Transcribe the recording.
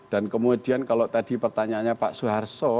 dan kemudian kalau tadi pertanyaannya pak suharto